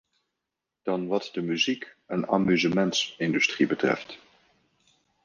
Dan wat de muziek- en amusementsindustrie betreft.